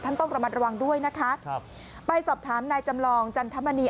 ต้องระมัดระวังด้วยนะคะครับไปสอบถามนายจำลองจันทมณี